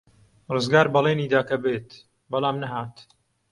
ڕزگار بەڵێنی دا کە بێت، بەڵام نەهات.